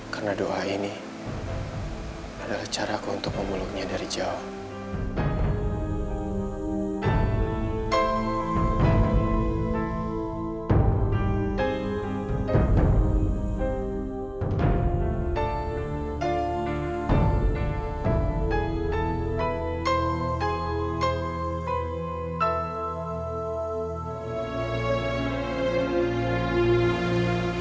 karena doa ini adalah cara aku untuk memuluknya dari jauh